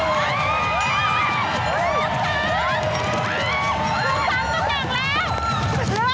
เจฟเจฟ